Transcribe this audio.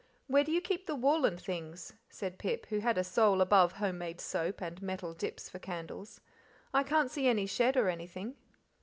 "Where do you keep the wool and things?" said Pip, who had a soul above home made soap and metal dips for candles; "I can't see any shed or anything."